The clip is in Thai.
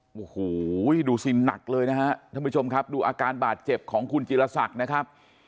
โอ้โหดูสิหนักเลยนะฮะท่านผู้ชมครับดูอาการบาดเจ็บของคุณจิลศักดิ์นะครับ